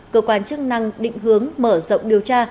cơ quan chức năng định hướng mở rộng điều tra